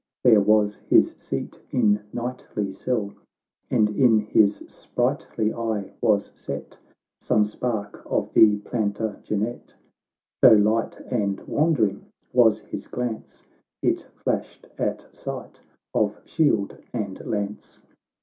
— Fair was his seat in knightly selle, And in his sprightly eye was set Some spark of the Plantagenet. Though light and wandering was his glance, It flashed at sight of shield and lance.